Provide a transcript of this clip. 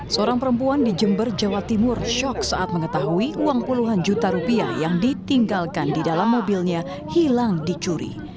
seorang perempuan di jember jawa timur shock saat mengetahui uang puluhan juta rupiah yang ditinggalkan di dalam mobilnya hilang dicuri